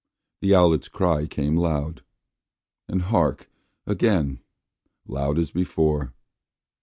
The owlet's cry Came loud and hark, again! loud as before.